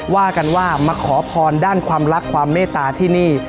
ว่ากันว่ามาขอพรด้านความรักความเมตตาที่นี่